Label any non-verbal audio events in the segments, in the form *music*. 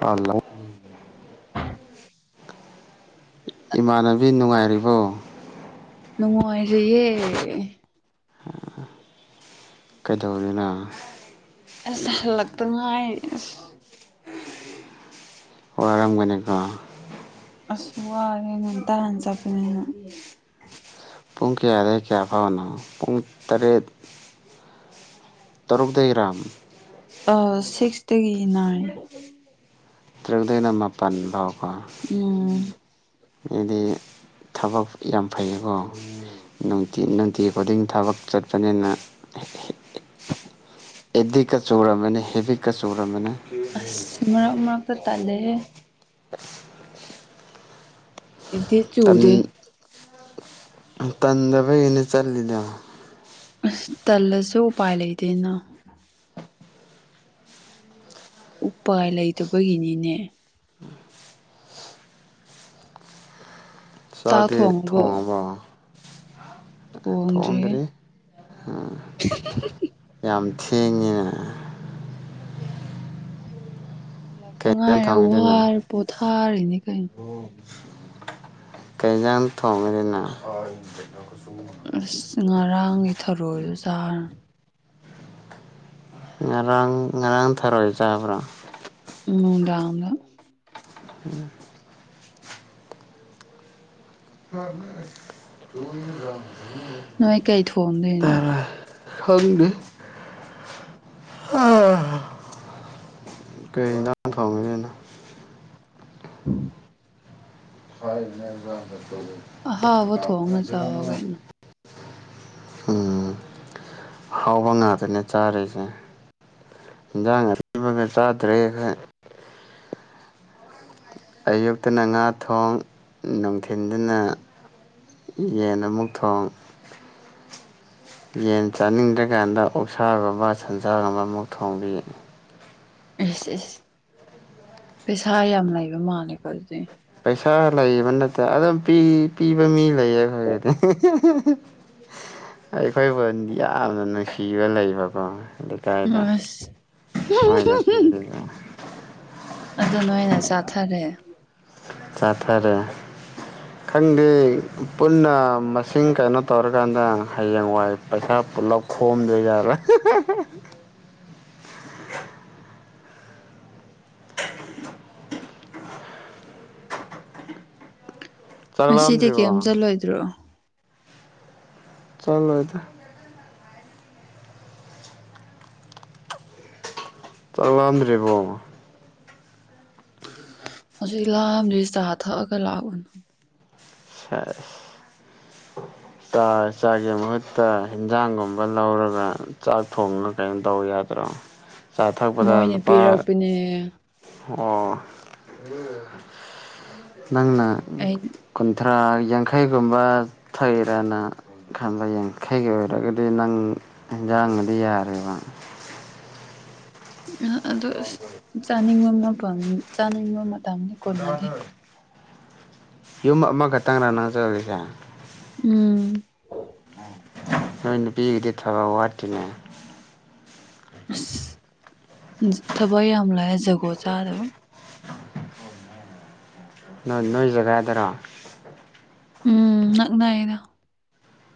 Hello ꯏꯃꯥꯟꯅꯕꯤ ꯅꯨꯡꯉꯥꯏꯔꯤꯕꯣ ꯅꯨꯡꯉꯥꯏꯔꯤꯌꯦ ꯑ ꯀꯩꯗꯧꯔꯤꯅꯣ ꯑꯁ ꯍꯜꯂꯛꯇ ꯉꯥꯏꯔꯤ ꯑꯁ ꯋꯥꯔꯝꯒꯅꯤꯀꯣ ꯑꯁ ꯋꯥꯔꯦ ꯉꯟꯇꯥꯅ ꯆꯠꯄꯅꯦꯅ ꯄꯨꯡ ꯀꯌꯥꯗꯩꯅ ꯀꯌꯥꯐꯥꯎꯅꯣ ꯄꯨꯡ ꯇꯔꯦꯠ ꯇꯔꯨꯛꯇꯩꯔꯥꯝ ꯑ ꯁꯤꯛꯁꯇꯒꯤ ꯅꯥꯏꯟ ꯇꯔꯨꯛꯇꯩꯅ ꯃꯄꯥꯟ ꯕꯥꯎ ꯀꯣ ꯎꯝ ꯃꯤꯗꯤ ꯊꯕꯛ ꯌꯥꯝ ꯐꯩꯌꯦꯀꯣ ꯅꯨꯡꯇꯤ ꯅꯨꯡꯇꯤ ꯈꯨꯗꯤꯡ ꯊꯕꯛ ꯆꯠꯄꯅꯤꯅ ꯑꯦꯗꯤꯛꯀ ꯆꯨꯨꯔꯝꯃꯅꯤ ꯍꯦꯕꯤꯠꯀ ꯆꯨꯨꯔꯝꯃꯅꯤ ꯑꯁ ꯃꯔꯛ ꯃꯔꯛꯇ ꯇꯜꯂꯦꯍꯦ *unintelligible* ꯏꯗꯤꯠ ꯇꯥꯟ ꯇꯥꯟꯗꯕꯒꯤꯅꯦ ꯆꯠꯂꯤꯗꯣ ꯑꯁ ꯇꯜꯂꯁꯨ ꯎꯄꯥꯏ ꯂꯩꯇꯦꯅ ꯎꯄꯥꯏ ꯂꯩꯇꯕꯒꯤꯅꯤꯅꯦ ꯆꯥꯛꯗꯤ ꯊꯣꯡꯉꯕꯣ ꯊꯣꯡꯗ꯭ꯔꯤ ꯌꯥꯝ ꯊꯦꯡꯉꯦꯅ ꯍꯟꯂꯛꯇ ꯀꯩ ꯏꯟꯖꯥꯡ ꯉꯥꯏꯔꯤ ꯊꯣꯡꯉꯤꯗꯨꯅ ꯋꯥꯔꯦ ꯄꯣꯊꯥꯔꯤꯅꯤ ꯀꯩꯅꯣ ꯀꯩ ꯌꯦꯟꯁꯥꯡ ꯊꯣꯡꯒꯗꯨꯢꯅꯣ ꯑꯁ ꯉꯔꯥꯡꯒꯤ ꯊꯥꯔꯣꯗꯣ ꯆꯥꯔꯅꯤ ꯉꯔꯥꯡ ꯉꯔꯥꯡ ꯊꯥꯔꯣꯢ ꯆꯥꯕ꯭ꯔꯣ ꯅꯨꯡꯗꯥꯡꯗ ꯎꯝ *unintelligible* ꯅꯣꯏ ꯀꯩ ꯊꯣꯡꯗꯣꯏꯅꯣ ꯊꯔꯣꯏ ꯈꯪꯗꯦ ꯀꯩ ꯌꯦꯟꯁꯥꯡ ꯊꯣꯡꯒꯗꯨꯢꯅꯣ ꯑ *inaudible* *inaudible* ꯑꯍꯥꯥꯎꯕ ꯊꯣꯡꯉ ꯆꯥꯎ ꯀꯩꯅꯣ ꯎꯝ ꯑꯍꯥꯎꯕ ꯉꯥꯛꯇꯅꯦ ꯆꯥꯔꯤꯁꯦ ꯌꯦꯟꯖꯥꯡ ꯑꯊꯤꯕꯒ ꯆꯥꯗ꯭ꯔꯦ ꯑꯩꯈꯣꯏ ꯑꯌꯨꯛꯇꯅ ꯉꯥ ꯊꯣꯡ ꯅꯨꯡꯊꯤꯟꯗꯅ ꯌꯦꯟ ꯑꯃꯨꯛ ꯊꯣꯡ ꯌꯦꯟ ꯆꯥꯅꯤꯡꯗ꯭ꯔꯀꯥꯟꯗ ꯑꯣꯛꯁꯥꯒꯨꯝꯕ ꯁꯟꯖꯥꯒꯨꯝꯕ ꯑꯃꯨꯛ ꯊꯣꯡꯕꯤ ꯑꯦꯁ ꯑꯦꯁ ꯄꯩꯁꯥ ꯌꯥꯝ ꯂꯩꯕ ꯃꯥꯜꯂꯦꯀꯣ ꯑꯗꯨꯗꯤ ꯄꯩꯁꯥ ꯂꯩꯕ ꯅꯠꯇꯦ ꯑꯗꯨꯝ ꯄꯤꯕ ꯃꯤ ꯂꯩꯌꯦ ꯑꯩꯈꯣꯏꯒꯤꯗꯤ ꯑꯩꯈꯣꯏꯕꯨ ꯌꯥꯝꯅ ꯅꯨꯡꯁꯤꯕ ꯂꯩꯕꯀꯣ ꯂꯩꯀꯥꯏꯗ ꯑꯁ ꯃꯣꯏꯅ ꯄꯤꯔꯤꯕ ꯑꯗꯨ ꯅꯣꯏꯅ ꯆꯥꯊꯔꯦ ꯆꯥꯊꯥꯔꯦ ꯈꯪꯗꯦ ꯄꯨꯟꯅ ꯃꯁꯤꯡ ꯀꯩꯅꯣ ꯇꯧꯔꯀꯥꯟꯗ ꯍꯌꯦꯡ ꯋꯥꯏ ꯄꯩꯁꯥ ꯄꯨꯜꯂꯞ ꯈꯣꯝꯗꯣꯏꯖꯠꯂ *inaudible* ꯆꯥꯛ ꯉꯁꯤꯗꯤ ꯂꯥꯝꯗ꯭ꯔꯤꯕꯣ ꯀꯩꯝ ꯆꯠꯂꯣꯏꯗ꯭ꯔꯣ ꯆꯠꯂꯣꯏꯗ ꯆꯥꯛ ꯂꯥꯝꯗ꯭ꯔꯤꯕꯣ ꯍꯧꯖꯤꯛ ꯂꯥꯛꯑꯝ ꯆꯥ ꯊꯛꯑꯒ ꯂꯥꯛꯑꯝ ꯁꯦꯁ ꯆꯥꯛ ꯆꯥꯛꯒꯤ ꯃꯍꯨꯠꯇ ꯏꯟꯖꯥꯡꯒꯨꯝꯕ ꯂꯧꯔꯒ ꯆꯥꯛ ꯊꯣꯡꯅ ꯀꯩꯅꯣ ꯇꯧ ꯌꯥꯗ꯭ꯔꯣ ꯆꯥ ꯊꯛꯄꯗ ꯂꯨꯄꯥ ꯅꯦ ꯑꯣ ꯅꯪꯅ ꯑꯩꯅ ꯀꯨꯟꯊ꯭ꯔꯥ ꯌꯥꯡꯈꯩꯒꯨꯝꯕ ꯊꯥꯛꯢꯔ ꯅꯪ ꯈꯟꯕ ꯌꯥꯟꯈꯩꯒꯤ ꯑꯣꯏꯔꯒꯗꯤ ꯅꯪ ꯍꯟꯖꯥꯡꯒꯗꯤ ꯌꯥꯔꯦꯕ ꯑꯗꯨ ꯑꯁ ꯆꯥꯅꯤꯡꯕ ꯆꯥꯅꯤꯡꯕ ꯃꯇꯝꯗꯤ ꯀꯣꯟꯅꯗꯦ ꯌꯨꯝ ꯑꯃꯈꯛꯇꯪꯔ ꯅꯪꯅ ꯆꯠꯂꯤꯁꯦ ꯎꯝ ꯅꯣꯏ ꯅꯨꯄꯤꯒꯤꯗꯤ ꯊꯕꯛ ꯋꯥꯠꯇꯦꯅꯦ ꯑꯁ ꯊꯕꯥꯛ ꯌꯥꯝ ꯂꯩꯌꯦ ꯖꯒꯣꯠ ꯆꯥꯗꯕ *inaudible* ꯅ ꯅꯣꯏ ꯖꯒꯥꯗꯔꯣ ꯎꯝ ꯅꯛꯅꯩꯗ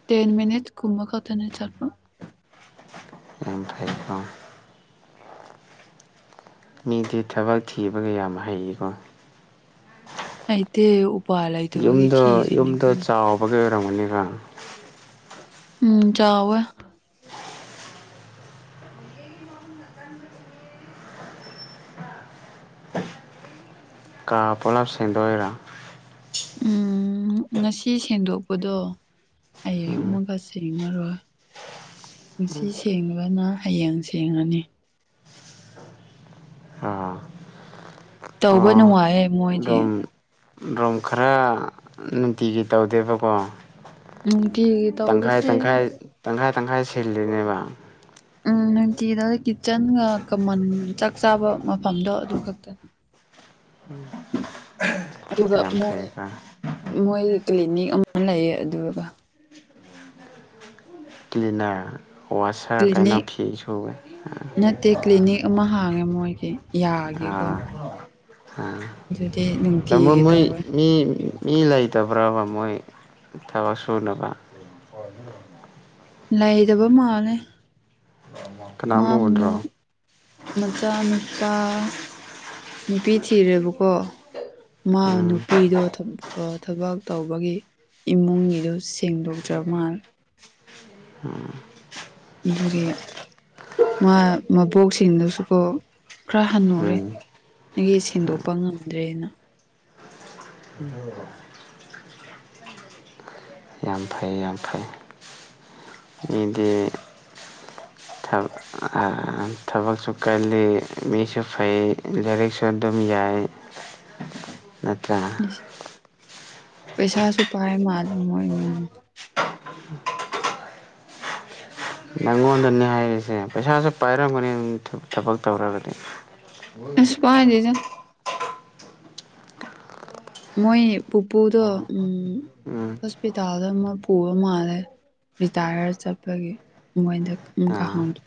ꯇꯦꯟ ꯃꯅꯤꯠꯁ ꯀꯨꯝꯃ ꯈꯠꯇꯅꯦ ꯆꯠꯄ ꯌꯥꯝ ꯐꯩ ꯀꯣ ꯃꯤꯗꯤ ꯊꯕꯛ ꯊꯤꯕꯒ ꯌꯥꯝ ꯍꯩꯀꯣ ꯍꯩꯇꯦ ꯎꯄꯥꯏ ꯂꯩꯇꯕꯒꯤ ꯊꯤꯔꯤꯅꯤ ꯀꯩꯅꯣ ꯑꯣꯏꯔꯝꯒꯅꯤꯗ ꯎꯝ ꯆꯥꯎꯌꯦ꯫ ꯀꯥ ꯄꯨꯂꯥꯞ ꯁꯦꯡꯗꯣꯛꯏꯔ ꯎꯝ ꯉꯁꯤ ꯁꯦꯡꯗꯣꯛꯄꯗꯣ ꯍꯌꯦꯡ ꯎꯝ ꯑꯃꯨꯛꯀꯥ ꯁꯦꯡꯗꯣꯛ ꯅꯥꯡꯉꯔꯣꯏ ꯉꯁꯤ ꯁꯦꯡꯕꯅ ꯍꯌꯦꯡ ꯁꯦꯡꯉꯅꯤ ꯑꯥ ꯇꯧꯕ ꯅꯨꯡꯉꯥꯏꯌꯦ ꯃꯣꯏꯗꯤ ꯔꯨꯝ ꯈꯔ ꯅꯨꯡꯇꯤꯒꯤ ꯇꯧꯗꯦꯕꯀꯣ ꯅꯨꯡꯇꯤꯒꯤ ꯇꯪꯈꯥꯏ ꯇꯧꯕꯁꯦ ꯇꯪꯈꯥꯏ ꯇꯪꯈꯥꯏ ꯇꯪꯈꯥꯏ ꯁꯤꯜꯂꯤꯅꯦꯕ ꯎꯝ ꯅꯨꯡꯇꯤꯗ ꯀꯤꯠꯆꯟꯒ ꯀꯃꯟ ꯆꯥꯛ ꯆꯥꯕ ꯃꯐꯝꯗꯣ ꯑꯗꯨ ꯈꯛꯇꯅꯤ *inaudible* ꯑꯗꯨꯒ ꯌꯥꯝ ꯃꯣꯏ ꯐꯩꯀꯣ ꯃꯣꯏꯒꯤ ꯀ꯭ꯂꯤꯅꯤꯛ ꯑꯃ ꯂꯩꯌꯦ ꯑꯗꯨꯒ ꯀ꯭ꯂꯤꯅꯔ ꯋꯥꯁꯔ ꯀꯥꯏꯅ ꯀ꯭ꯂꯤꯅꯤꯛ ꯐꯤ ꯁꯨꯋꯦ ꯅꯠꯇꯦ ꯀ꯭ꯂꯤꯅꯤꯛ ꯑꯃ ꯍꯥꯡꯉꯦ ꯃꯣꯏꯒꯤ ꯌꯥꯒꯤꯀꯣ ꯑꯥ ꯑꯗꯨꯗꯤ ꯑꯥ ꯅꯨꯡꯇꯤꯒꯤ ꯃꯣꯏ ꯇꯧꯋꯦ ꯃꯤ ꯃꯤ ꯂꯩꯇꯕ꯭ꯔꯕ ꯃꯣꯏ ꯊꯕꯛ ꯁꯨꯅꯕ *inaudible* *inaudible* ꯂꯩꯗꯕ ꯃꯥꯜꯂꯦ ꯃꯥ ꯀꯅꯥꯝ ꯃꯣꯏ ꯎꯗ꯭ꯔꯣ ꯃꯆꯥꯅꯨꯄꯥ ꯅꯨꯄꯤ ꯊꯤꯔꯦꯕꯀꯣ ꯃꯥ ꯎꯝ ꯅꯨꯄꯤꯗꯣ ꯑꯥ ꯊꯕꯛ ꯇꯧꯕꯒꯤ ꯏꯃꯨꯡꯒꯤꯗꯣ ꯁꯦꯡꯗꯣꯛꯇꯕ ꯃꯥꯜꯂꯦ ꯎꯝ ꯑꯗꯨꯒꯤ ꯃꯥ ꯃꯕꯣꯛꯁꯤꯡꯗꯨꯁꯨꯀꯣ ꯈꯔ ꯍꯟꯅꯨꯔꯦ ꯎꯝ ꯑꯗꯨꯒꯤ ꯁꯦꯡꯗꯣꯛꯄ ꯉꯝꯗ꯭ꯔꯦꯅ *inaudible* ꯌꯥꯝ ꯐꯩ ꯌꯥꯝ ꯐꯩ ꯃꯤꯗꯤ ꯊꯕꯛ ꯊꯕꯛꯁꯨ ꯀꯜꯂꯤ ꯃꯤꯁꯨ ꯐꯩ ꯂꯥꯏꯔꯤꯛꯁꯨ ꯑꯗꯨꯝ ꯌꯥꯏ ꯅꯠꯇ꯭ꯔ ꯄꯩꯁꯥꯁꯨ ꯄꯥꯏ ꯃꯥꯜꯂꯦ ꯃꯣꯏ ꯏꯃꯨꯡꯗꯣ ꯅꯪꯉꯣꯟꯗꯅꯦ ꯍꯥꯏꯔꯤꯁꯦ ꯄꯩꯁꯥꯁꯨ ꯄꯥꯏꯔꯝꯒꯥꯅꯤ ꯊꯕꯛ ꯇꯧꯔꯒꯗꯤ ꯑꯦꯁ ꯄꯥꯏꯗꯦꯗ ꯃꯣꯏ ꯄꯨꯄꯨꯗꯣ ꯎꯝ ꯎꯝ ꯍꯣꯁꯄꯤꯇꯥꯜ ꯑꯗ ꯑꯃ ꯄꯨꯕ ꯃꯥꯜꯂꯦ ꯔꯤꯇꯥꯌꯔ ꯆꯠꯄꯒꯤ ꯃꯣꯏꯗ ꯑꯃꯨꯛꯀ ꯍꯥꯎꯗ ꯑꯥ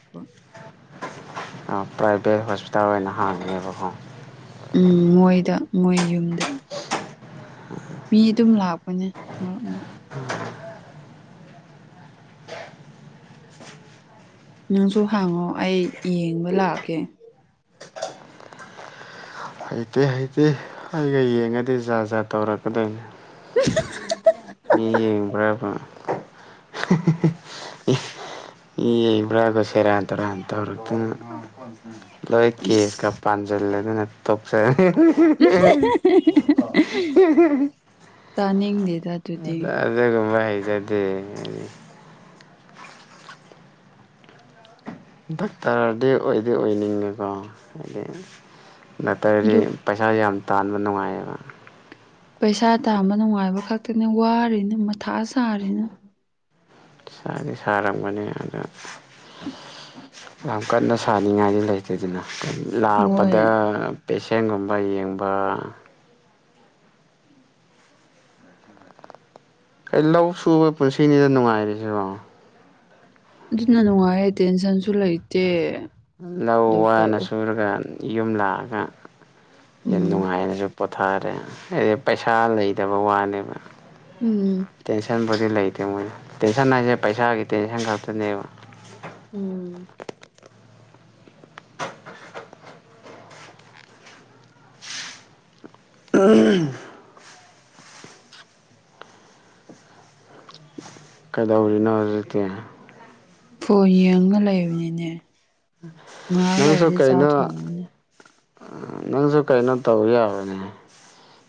ꯄ꯭ꯔꯥꯏꯚꯦꯠ ꯍꯣꯁꯄꯤꯇꯥꯜ ꯑꯣꯏꯅ ꯍꯥꯡꯉꯦꯕꯀꯣ ꯎꯝ ꯃꯣꯏꯗ ꯃꯣꯏ ꯌꯨꯝꯗ ꯃꯤ ꯑꯗꯨꯝ ꯂꯥꯛꯄꯅꯦ ꯃꯔꯛ ꯃꯔꯛ ꯅꯪꯁꯨ ꯍꯥꯡꯉꯣ ꯑꯩ ꯌꯦꯡꯕ ꯂꯥꯛꯀꯦ ꯍꯩꯇꯦ ꯍꯩꯇꯦ ꯑꯩꯒ ꯌꯦꯡꯉꯗꯤ ꯖꯥꯠ ꯖꯥꯠ ꯇꯧꯔꯛꯀꯗꯣꯏꯅꯤ *unintelligible* ꯃꯤ ꯌꯦꯡꯕ꯭ꯔꯕꯨ ꯃꯤ ꯌꯦꯡꯕ꯭ꯔꯕꯥ ꯁꯦꯔꯥꯟ ꯇꯨꯔꯥꯟ ꯇꯧꯔꯛꯇꯅ ꯂꯣꯏ ꯏꯁ ꯀꯦꯁꯀ ꯄꯥꯟꯁꯤꯜꯂꯗꯅ ꯇꯣꯛꯆꯅꯤ *unintelligible* ꯇꯥꯅꯤꯡꯗꯦꯗ ꯑꯗꯨꯗꯤ ꯑꯗꯨꯒꯨꯝꯕ ꯍꯩꯖꯗꯦ ꯑꯩꯗꯤ ꯗꯥꯛꯇꯔꯗꯤ ꯑꯣꯏꯗꯤ ꯑꯣꯏꯅꯤꯡꯉꯦꯀꯣ ꯍꯥꯏꯗꯤ ꯗꯥꯛꯇꯔꯗꯤ ꯑꯗꯨ ꯄꯩꯁꯥꯥ ꯌꯥꯝ ꯇꯥꯟꯕ ꯅꯨꯡꯉꯥꯏꯌꯦꯕ ꯄꯩꯁꯥ ꯇꯥꯟꯕ ꯅꯨꯡꯉꯥꯏꯕ ꯈꯛꯇꯅꯦ ꯋꯥꯔꯤꯅ ꯃꯊꯥ ꯁꯥꯔꯤꯅꯦ ꯁꯥꯗꯤ ꯁꯥꯔꯝꯒꯅꯤ ꯑꯗꯣ ꯌꯥꯝ ꯀꯟꯅ ꯁꯥꯅꯤꯡꯉꯥꯏꯗꯤ ꯂꯩꯇꯦꯗꯅ ꯃꯣꯏ ꯂꯥꯛꯄꯗ ꯄꯦꯁꯦꯟꯒꯨꯝꯕ ꯌꯦꯡꯕ ꯂꯧ ꯁꯨꯕ ꯄꯨꯟꯁꯤꯅꯤꯗ ꯅꯨꯡꯉꯥꯏꯔꯤꯁꯤꯉꯣ ꯑꯗꯨꯅ ꯅꯨꯡꯉꯥꯏꯌꯦ ꯇꯦꯟꯁꯟꯁꯨ ꯂꯩꯇꯦ ꯂꯧ ꯋꯥꯅ ꯗꯣꯛꯇꯔ ꯁꯨꯔꯒ ꯌꯨꯝ ꯂꯥꯛꯑꯒ ꯌꯥꯝ ꯎꯝ ꯅꯨꯡꯉꯥꯏꯅꯁꯨ ꯄꯣꯠ ꯊꯥꯔꯦ ꯍꯥꯏꯗꯤ ꯄꯩꯁꯥ ꯂꯩꯗꯕꯩ ꯋꯥꯅꯦꯕ ꯎꯝ ꯇꯦꯟꯁꯟ ꯄꯨꯗꯤ ꯁꯤ ꯂꯩꯇꯦ ꯃꯣꯏꯅ ꯇꯦꯟꯁꯟ ꯍꯥꯏꯁꯦ ꯄꯩꯁꯥꯒꯤ ꯇꯦꯟꯁꯟ ꯈꯛꯇꯅꯦꯕ ꯎꯝ ꯎꯝ *unintelligible* ꯀꯩꯗꯧꯔꯤꯅꯣ ꯍꯧꯖꯤꯛꯇꯤ ꯐꯣꯟ ꯌꯦꯡꯉꯒ ꯂꯩꯕꯅꯤꯅꯦ ꯉꯥꯏꯍꯥꯛ ꯅꯪꯁꯨ ꯂꯩꯔꯗꯤ ꯆꯥꯛ ꯀꯩꯅꯣ ꯊꯣꯡꯉꯅꯦ ꯅꯪꯁꯨ ꯀꯩꯅꯣ ꯇꯧ ꯌꯥꯕꯅꯦ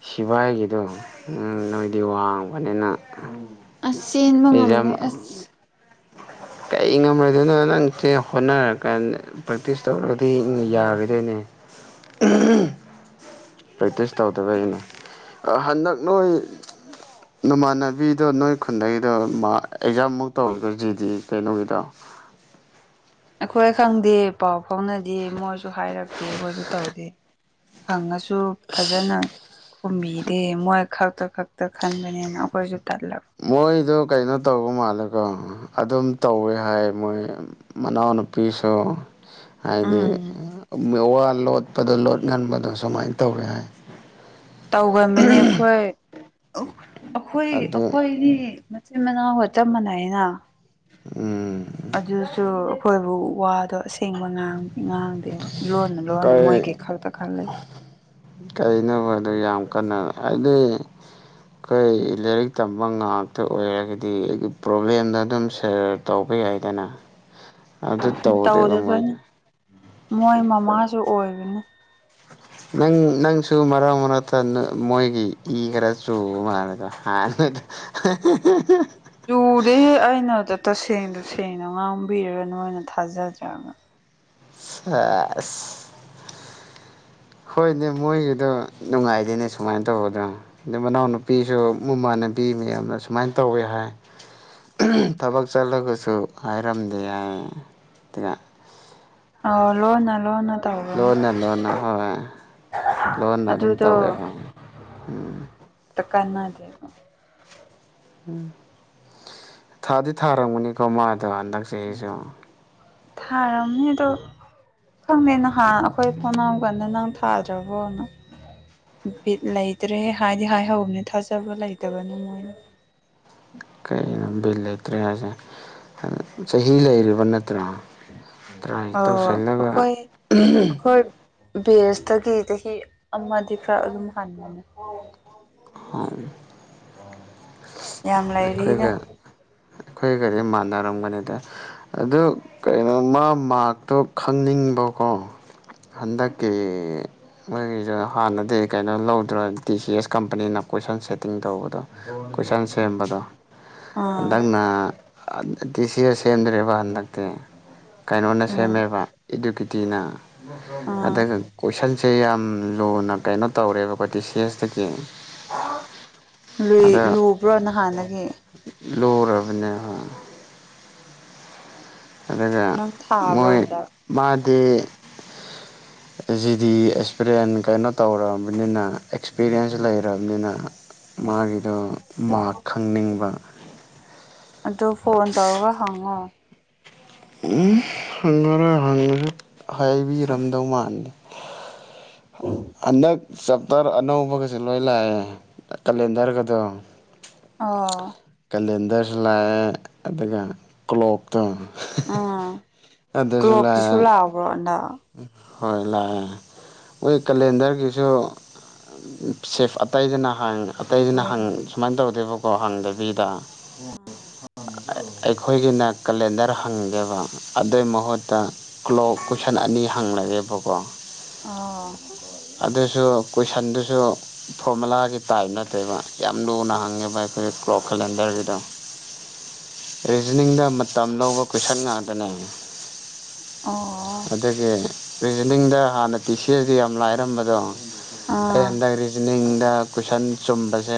ꯁꯤꯚꯥꯏꯒꯤꯗꯣ ꯅꯣꯏꯗꯤ ꯋꯥꯡꯕꯅꯤꯅ ꯑꯁ ꯆꯦꯟꯕ ꯑꯦꯛꯖꯥꯝ ꯉꯝꯗꯦ ꯑꯁ ꯀꯩ ꯉꯝꯂꯣꯢꯗꯨꯢꯅꯣ ꯅꯪ ꯆꯦꯟ ꯍꯣꯠꯅꯔꯀꯥꯟꯗ ꯄ꯭ꯔꯦꯛꯇꯤꯁ ꯇꯧꯔꯗꯤ ꯌꯥꯒꯗꯣꯏꯅꯦ ꯄ꯭ꯔꯦꯛꯇꯤꯁ ꯇꯧꯗꯕꯒꯤꯅꯦ ꯍꯟꯗꯛ ꯅꯣꯏ ꯅꯃꯥꯟꯅꯕꯤꯗꯣ ꯅꯣꯏ ꯈꯨꯟꯗꯒꯤꯗꯣ ꯃꯥ ꯎꯝ ꯑꯦꯛꯖꯥꯝꯃꯨꯛ ꯇꯧꯇꯣꯏꯖꯤꯗꯤ ꯀꯩꯅꯣꯒꯤꯗꯣ ꯑꯩꯈꯣꯏ ꯈꯪꯗꯦ ꯄꯥꯎ ꯐꯥꯎꯅꯗꯦ ꯃꯣꯏꯁꯨ ꯍꯥꯏꯔꯛꯇꯦ ꯃꯣꯏꯁꯨ ꯇꯧꯗꯦ ꯍꯪꯉꯁꯨ ꯐꯖꯅ ꯈꯨꯝꯕꯤꯗꯦ ꯃꯣꯏ ꯈꯛꯇ ꯈꯛꯇ ꯈꯟꯕꯅꯦꯅ ꯑꯩꯈꯣꯏꯁꯨ ꯇꯜꯂꯕ ꯃꯣꯏꯗꯣ ꯀꯩꯅꯣ ꯇꯧꯕ ꯃꯥꯜꯂꯦꯀꯣ ꯑꯗꯨꯝ ꯇꯧꯋꯦ ꯍꯥꯏ ꯃꯣꯏ ꯃꯅꯥꯎ ꯅꯨꯄꯤꯁꯨ ꯍꯥꯏꯗꯤ ꯎꯝ ꯋꯥ ꯂꯣꯠꯄꯗꯣ ꯂꯣꯠ ꯒꯥꯟꯕꯗꯣ ꯁꯨꯃꯥꯏꯅ ꯇꯧꯋꯤ ꯍꯥꯏ ꯇꯧꯒꯟꯕꯅꯦ ꯑꯩꯈꯣꯏ ꯑꯩꯈꯣꯏ ꯑꯗꯨ ꯑꯩꯈꯣꯏꯅꯤ ꯃꯆꯤꯟ ꯃꯅꯥꯎ ꯆꯞ ꯃꯥꯟꯅꯩꯅ ꯎꯝ ꯑꯗꯨꯁꯨ ꯑꯩꯈꯣꯏꯕꯨ ꯋꯥꯗꯣ ꯑꯁꯦꯡꯕꯥ ꯉꯥꯡ ꯑꯗꯨ ꯂꯣꯟꯅ ꯂꯣꯟꯅ ꯃꯣꯏꯒꯤ ꯀꯩ ꯈꯛꯇ ꯈꯜꯂꯒ ꯀꯩꯅꯣꯕ ꯑꯗ ꯌꯥꯝ ꯀꯟꯅ ꯍꯥꯏꯗꯤ ꯈꯩ ꯂꯩꯔꯤꯛ ꯇꯝꯕ ꯉꯥꯛꯇ ꯑꯣꯏꯔꯒꯗꯤ ꯑꯩꯒꯤ ꯄ꯭ꯔꯣꯕ꯭ꯂꯦꯝꯗ ꯗꯨꯝ ꯁꯦꯔ ꯇꯧꯕ ꯌꯥꯏꯗꯅ ꯑꯗꯨ ꯇꯧꯗꯦꯕ ꯃꯣꯏ ꯇꯧꯗꯕꯅꯤ ꯃꯣꯏ ꯃꯃꯥꯁꯨ ꯑꯣꯏꯕꯅꯤ ꯅꯪ ꯅꯪꯁꯨ ꯃꯔꯛ ꯃꯔꯛꯇ ꯃꯣꯏꯒꯤ ꯏ ꯈꯔ ꯆꯨꯕ ꯃꯥꯜꯂꯦꯗ ꯍꯥꯟꯅꯗ *inaudible* ꯆꯨꯗꯦꯍꯦ ꯑꯩꯅꯗ ꯇꯁꯦꯡ ꯇꯁꯦꯡꯅ ꯉꯥꯡꯕꯤꯔ ꯅꯣꯏꯅ ꯊꯥꯖꯗ꯭ꯔꯒ ꯑꯁ ꯍꯣꯏꯅꯦ ꯃꯣꯏꯒꯤꯗꯣ ꯅꯨꯡꯉꯥꯏꯗꯣꯏꯅꯦ ꯁꯨꯃꯥꯏ ꯇꯧꯕꯗꯣ ꯑꯗ ꯃꯅꯥꯎꯅꯨꯄꯤꯁꯨ ꯃꯃꯥꯟꯅꯕꯤ ꯃꯌꯥꯝꯅ ꯁꯨꯃꯥꯏꯅ ꯇꯧꯋꯦ ꯍꯥꯏ ꯊꯕꯛ ꯆꯠꯂꯒꯁꯨ ꯍꯥꯏꯔꯝꯗꯦ ꯍꯥꯏ ꯑꯥꯎ ꯂꯣꯟꯅ ꯂꯣꯟꯅ ꯇꯧꯕꯅꯤ ꯂꯣꯟꯅ ꯂꯣꯟꯅ ꯍꯣꯏ ꯂꯣꯟꯅ ꯑꯗꯨꯝ ꯑꯗꯨꯗꯣ ꯇꯧꯋꯦ ꯍꯦ ꯎꯝ ꯇ ꯀꯥꯟꯅꯗꯦ ꯊꯥꯗꯤ ꯊꯥꯔꯝꯒꯅꯤꯀꯣ ꯃꯥꯗꯣ ꯍꯟꯗꯛ ꯆꯍꯤꯁꯨ ꯊꯥꯔꯝꯅꯤ ꯗꯣ ꯈꯪꯗꯦ ꯅꯍꯥꯟ ꯑꯈꯣꯏ *unintelligible* ꯀꯥꯟꯗ ꯅꯪ ꯊꯥꯗ꯭ꯔꯕꯣꯅ ꯕꯤꯠ ꯂꯩꯇ꯭ꯔꯦꯍꯦ ꯍꯥꯏꯗꯤ ꯍꯥꯏꯍꯧꯕꯅꯤ ꯊꯥꯖꯕ ꯂꯩꯇꯕꯅꯤ ꯃꯣꯏꯅ ꯀꯩꯅꯣ ꯕꯤꯜ ꯂꯩꯇ꯭ꯔꯦ ꯍꯥꯏꯁꯦ ꯆꯍꯤ ꯂꯩꯔꯤꯕ ꯅꯠꯇ꯭ꯔꯣ ꯇ꯭ꯔꯥꯏ ꯑꯧ ꯇꯧꯁꯜꯂꯒ ꯑꯩꯈꯣꯏ ꯑꯩꯈꯣꯏ ꯕꯦꯁꯇꯒꯤ ꯆꯍꯤ ꯑꯃꯗꯤ ꯈꯔ ꯑꯗꯨꯝ ꯍꯟ *inaudible* ꯌꯥꯝ ꯂꯩꯥꯏꯔꯤꯗ ꯑꯈꯣꯏꯒꯖꯦ ꯃꯥꯟꯅꯔꯝꯒꯅꯤꯗ ꯑꯗꯨ ꯀꯩꯅꯣ ꯃꯥ ꯃꯥꯛꯇꯣ ꯈꯪꯅꯤꯡꯕꯀꯣ ꯍꯟꯗꯛꯀꯤ ꯃꯣꯏꯒꯤꯖꯨ ꯍꯥꯟꯅꯗꯤ ꯀꯩꯅꯣ ꯂꯧꯗ꯭ꯔꯣ ꯇꯤ ꯁꯤ ꯑꯦꯁ ꯀꯝ ꯄꯅꯤꯅ ꯀꯣꯏꯁꯟ ꯁꯦꯠꯇꯤꯡ ꯇꯧꯕꯗꯣ ꯀꯣꯏꯁꯟ ꯁꯦꯝꯕꯗꯣ ꯑꯥ ꯍꯟꯗꯛꯅ ꯗꯤ ꯁꯤ ꯑꯦꯁ ꯁꯦꯝꯗ꯭ꯔꯦꯕ ꯍꯟꯗꯛꯇꯤ ꯀꯩꯅꯣꯅ ꯎꯝ ꯁꯦꯝꯃꯦꯕ ꯏꯗꯨꯀꯦꯇꯤꯅ ꯑꯥ ꯑꯗꯨꯒ ꯀꯣꯏꯁꯟ ꯁꯦ ꯌꯥꯝ ꯂꯨꯅ ꯀꯩꯅꯣ ꯇꯧꯔꯦꯕꯀꯣ ꯇꯤ ꯁꯤ ꯑꯦꯁꯇꯒꯤ ꯂꯨꯏ ꯂꯨꯕ꯭ꯔꯣ ꯅꯍꯥꯟꯅꯒꯤ ꯂꯣꯔꯕꯅꯦ ꯍꯣ ꯑꯗꯒ ꯅꯪ ꯊꯥꯕ꯭ꯔꯣ ꯃꯣꯏ ꯍꯟꯗꯛ ꯃꯥꯗꯤ ꯑꯦꯖꯤꯗꯤ ꯑꯦꯛꯁꯄꯔꯤꯌꯦꯟ ꯀꯩꯅꯣ ꯇꯧꯔꯕꯅꯤꯅ ꯑꯦꯛꯁꯄꯤꯔꯤꯌꯦꯟꯁ ꯂꯩꯔꯕꯅꯤꯅ ꯃꯥꯒꯤꯗꯣ ꯃꯥꯛ ꯈꯪꯅꯤꯡꯕ ꯑꯗꯣ ꯐꯣꯟ ꯇꯧꯔꯒ ꯍꯪꯉꯣ ꯎꯝ ꯍꯪꯉꯔꯣꯏ ꯍꯪꯉꯁꯨ ꯍꯥꯏꯕꯤꯔꯝꯗꯧ ꯃꯥꯥꯟꯗꯦ *inaudible* ꯍꯟꯗꯛ ꯆꯞꯇꯔ ꯑꯅꯧꯕꯒꯁꯦ ꯂꯣꯏ ꯂꯥꯛꯑꯦ ꯀꯦꯂꯦꯟꯗꯔꯒꯗꯣ ꯑꯥ ꯀꯂꯦꯟꯗꯔꯁꯨ ꯂꯥꯛꯑꯦ ꯑꯗꯨꯒ꯫ ꯀ꯭ꯂꯣꯛꯇꯣ ꯑꯗꯨꯁꯨ ꯂꯥꯑꯦ꯫ ꯕ꯭ꯔꯣꯟꯗ꯫ ꯍꯣꯏ ꯂꯥꯑꯦ ꯃꯣꯏ ꯀꯂꯦꯟꯗꯔꯒꯤꯁꯨ꯫ ꯁꯦꯐ ꯑꯇꯩꯗꯅ ꯍꯥꯡ ꯑꯇꯩꯗꯅ ꯍꯪ ꯁꯨꯃꯥꯏꯟ ꯇꯧꯗꯦꯕꯀꯣ ꯍꯥꯡꯗꯕꯤꯗ꯫ ꯑꯥ *unintelligible* ꯑꯈꯣꯏꯒꯤꯅ ꯀꯂꯦꯟꯗꯔ ꯍꯪꯒꯦꯕ ꯑꯗꯨꯏ ꯃꯍꯨꯠꯇ ꯀ꯭ꯂꯣꯞ ꯀꯨꯁ ꯁꯟ ꯑꯅꯤ ꯍꯪꯂꯖꯦꯕꯀꯣ ꯑꯣ.. ꯑꯗꯨꯁꯨ ꯀꯣꯏꯁꯟꯗꯨꯁꯨ ꯐꯣꯔꯃꯨꯂꯥꯒꯤ ꯇꯥꯏꯞ ꯅꯠꯇꯦꯕ ꯌꯥꯝ ꯂꯨꯅ ꯍꯪꯉꯦꯕ ꯑꯈꯣꯏ ꯀ꯭ꯂ꯭ꯣꯞ ꯀꯦꯂꯦꯟꯗꯔꯒꯤꯗꯣ ꯏꯖꯅꯤꯡꯗ ꯃꯇꯝ ꯂꯧꯕ ꯀꯣꯏꯁꯟ ꯉꯥꯛꯇꯅꯦ ꯑꯣ ꯑꯗꯨꯒꯤ ꯔꯤꯖꯅꯤꯡꯗ ꯍꯥꯟꯅ ꯇꯤꯁꯤꯑꯦꯖꯦ ꯌꯥꯝ ꯂꯥꯏꯔꯝꯃꯗꯣ ꯑꯣ ꯑꯩ ꯑꯥ ꯍꯟꯗꯛ ꯔꯤꯖꯅꯤꯡꯗ ꯀꯣꯏꯁꯟ ꯆꯨꯝꯕꯖꯦ